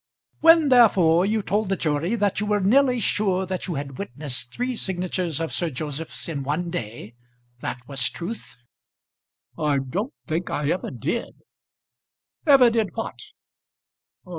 "When, therefore, you told the jury that you were nearly sure that you had witnessed three signatures of Sir Joseph's in one day, that was truth?" "I don't think I ever did." "Ever did what?"